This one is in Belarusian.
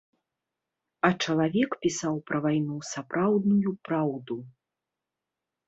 А чалавек пісаў пра вайну сапраўдную праўду.